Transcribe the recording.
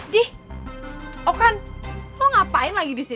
dih oh kan lo ngapain lagi di sini